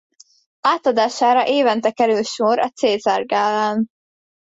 Átadására évente kerül sor a César-gálán.